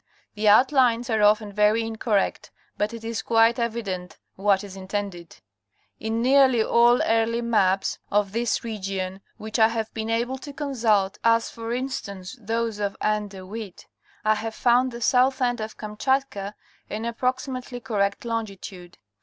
The outlines are often very incorrect but it is quite evident what is intended. In nearly all early maps of this region which I have been able to consult, as for instance those of N. de Witt, I have found the south end of Kamchatka in approxi mately correct longitude.